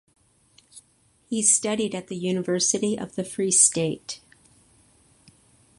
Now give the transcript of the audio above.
He studied at the University of the Free State.